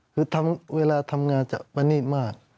คือเวลาทำงานจะประนีตมาก